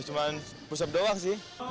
cuman pusat doang sih